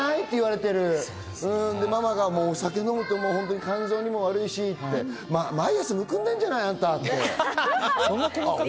それでママがお酒を飲むと完全に悪いしと毎朝むくんでるじゃないの、あんたって。